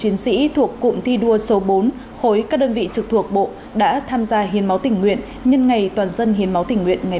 sáng nay tại trụ sở cục cảnh sát hình sự hơn hai trăm linh cán bộ chiến sĩ thuộc cụm thi đua số bốn khối các đơn vị trực thuộc bộ đã tham gia hiến máu tình nguyện nhân ngày toàn dân hiến máu tình nguyện ngày bảy bốn